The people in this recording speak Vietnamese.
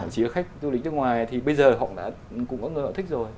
chỉ có khách du lịch nước ngoài thì bây giờ họ cũng có người họ thích rồi